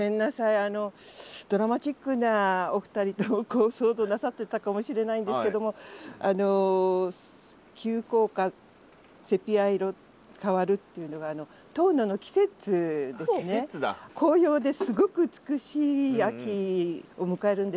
あのドラマチックなお二人と想像なさってたかもしれないんですけどもあの急降下セピア色変わるっていうのが紅葉ですごく美しい秋を迎えるんですけれどもこれから。